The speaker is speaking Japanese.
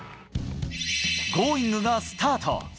Ｇｏｉｎｇ！がスタート。